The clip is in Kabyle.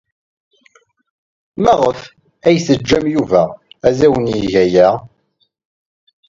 Maɣef ay tettaǧǧam Yuba ad awen-yeg aya?